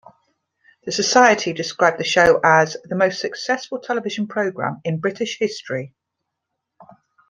The society described the show as "the most successful television programme in British history".